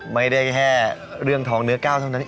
ไม่ได้แค่เรื่องทองเหนือเก้าซ้ำนั้น